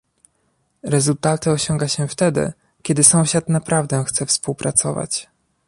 Rezultaty osiąga się wtedy, kiedy sąsiad naprawdę chce współpracować